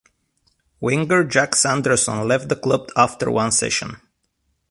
Winger Jack Sanderson left the club after one season.